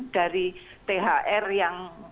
dari thr yang